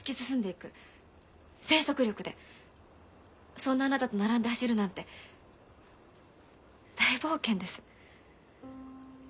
そんなあなたと並んで走るなんて大冒険です。